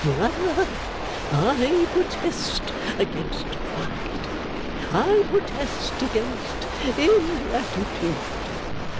'Brother, I protest against pride. I protest against ingratitude.